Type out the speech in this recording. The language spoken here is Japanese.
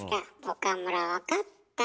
岡村分かった？